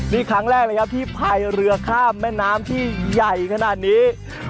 นี่ครั้งแรกเลยครับที่พายเรือข้ามแม่น้ำที่ใหญ่ขนาดนี้